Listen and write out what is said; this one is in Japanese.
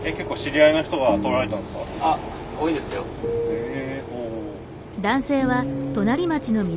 へえ。